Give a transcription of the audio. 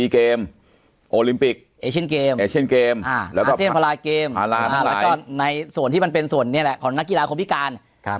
๔เกมโอลิมปิกเอเชียนเกมอาเซียนพลาเกมแล้วก็ในส่วนที่มันเป็นส่วนนี้แหละของนักกีฬาของพิการ